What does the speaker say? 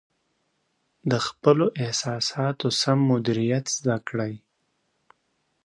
د خپلو احساساتو سم مدیریت زده کړئ.